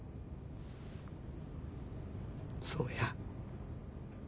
そうや。